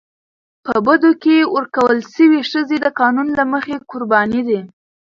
په بدو کي ورکول سوي ښځي د قانون له مخي قرباني دي.